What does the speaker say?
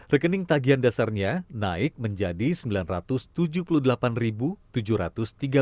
rekening tagian dasarnya naik menjadi rp sembilan ratus tujuh puluh delapan tujuh ratus tiga puluh